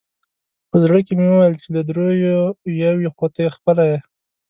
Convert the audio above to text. په زړه کې مې وویل چې له درېیو یو خو ته خپله یې.